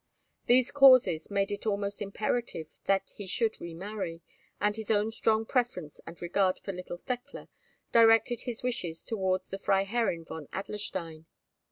These causes made it almost imperative that he should re marry, and his own strong preference and regard for little Thekla directed his wishes towards the Freiherrinn von Adlerstein.